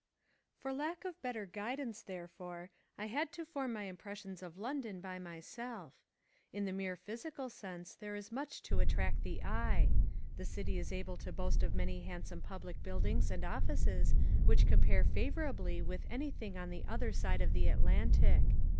For lack of better guidance, therefore, I had to form my impressions of London by myself. In the mere physical sense there is much to attract the eye. The city is able to boast of many handsome public buildings and offices which compare favourably with anything on the other side of the Atlantic.